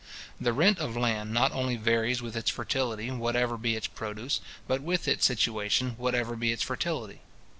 The rent of land not only varies with its fertility, whatever be its produce, but with its situation, whatever be its fertility.